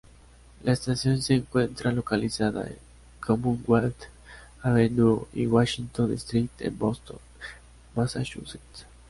La estación se encuentra localizada en Commonwealth Avenue y Washington Street en Boston, Massachusetts.